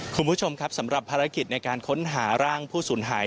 คุณผู้ชมครับสำหรับภารกิจในการค้นหาร่างผู้สูญหาย